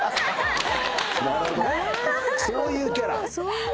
そういうキャラ？